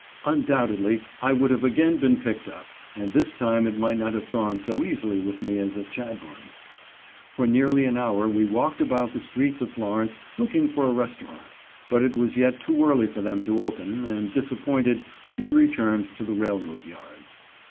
Undoubtedly I would have again been picked up, and this time it might not have gone so easily with me as at Chadbourn. For nearly an hour we walked about the streets of Florence looking for a restaurant, but it was yet too early for them to open, and, disappointed, we returned to the railroad yards.